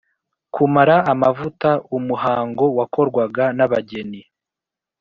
kumara amavuta: umuhango wakorwaga n’abageni